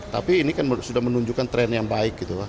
tapi ini kan sudah menunjukkan tren yang baik gitu lah